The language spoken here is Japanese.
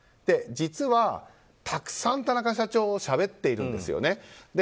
実は、たくさん田中社長しゃべってるんですよね。